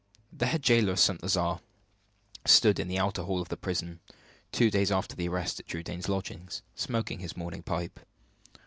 The head jailer of St. Lazare stood in the outer hall of the prison, two days after the arrest at Trudaine's lodgings, smoking his morning pipe.